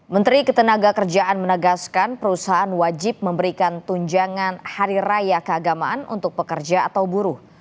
menteri ketenaga kerjaan menegaskan perusahaan wajib memberikan tunjangan hari raya keagamaan untuk pekerja atau buruh